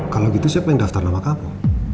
kalau gitu siapa yang daftar nama kamu